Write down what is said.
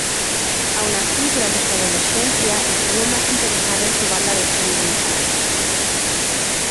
Aun así, durante su adolescencia estuvo más interesado en su banda de heavy metal.